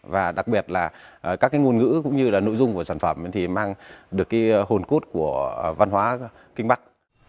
và đặc biệt là các ngôn ngữ cũng như nội dung của sản phẩm mang được hồn cốt của văn hóa kinh bắc